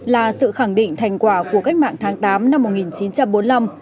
là sự khẳng định thành quả của cách mạng tháng tám năm một nghìn chín trăm bốn mươi năm